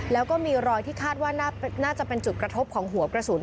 แล้วก็มีรอยที่คาดว่าน่าจะเป็นจุดกระทบของหัวกระสุน